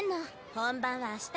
本番は明日よ？